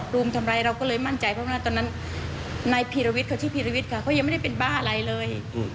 รุมทำร้ายเราก็เลยมั่นใจเพราะว่าตอนนั้นนายพีรวิทย์เขาชื่อพีรวิทย์ค่ะเขายังไม่ได้เป็นบ้าอะไรเลย